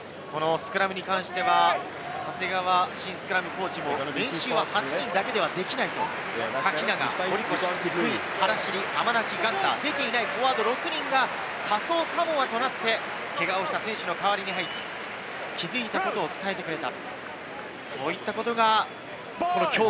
スクラムに関しては長谷川慎スクラムコーチも練習は８人だけではできないと、垣永、堀越、福井、アマナキ、フォワード６人が仮想サモアとなって、けがをした選手の代わりに入って、気づいたことを伝えてくれた。